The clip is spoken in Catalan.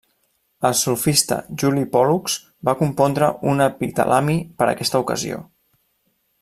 El sofista Juli Pòl·lux va compondre un epitalami per a aquesta ocasió.